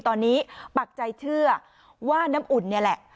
ตอนนี้ปักใจเชื่อว่าน้ำอุ่นนี่แหละ